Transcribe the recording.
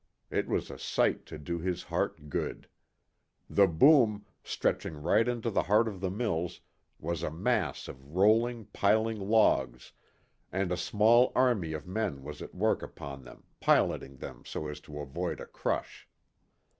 It was a sight to do his heart good. The boom, stretching right into the heart of the mills, was a mass of rolling, piling logs, and a small army of men was at work upon them piloting them so as to avoid a "crush."